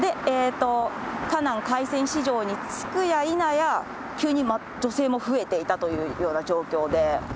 かなん海鮮市場に着くや否や、急に女性も増えていたというような状況で。